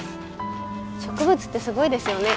植物ってすごいですよね。